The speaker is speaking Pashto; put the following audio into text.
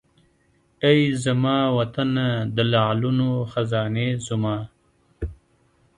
ای زما وطنه د لعلونو خزانې زما!